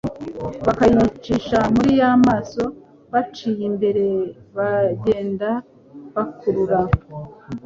bakayicisha muri ya maso baciye mbere bagenda bakurura.